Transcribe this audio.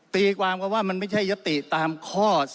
ตีความกันว่ามันไม่ใช่ยติตามข้อ๔